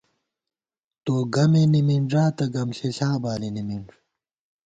تو گمے نِمِنݮاتہ، گم ݪِݪا بالی نِمِنݮ